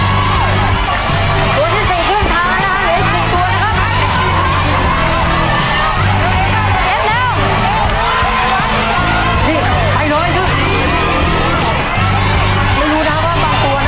ไม่รู้นะครับว่าบางตัวนะครับความลึกความอะไรมันอ่านให้เล่ากัน